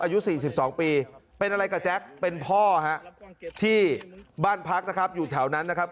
อายุ๔๒ปีเป็นอะไรกับแจ๊คเป็นพ่อฮะที่บ้านพักนะครับอยู่แถวนั้นนะครับ